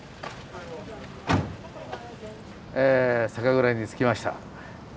え酒蔵に着きました。